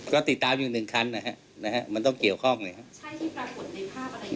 ก็ติดตามอยู่หนึ่งคันนะฮะนะฮะมันต้องเกี่ยวข้องเลยครับ